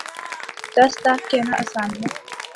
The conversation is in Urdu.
دس لاکھ کہنا آسان ہے۔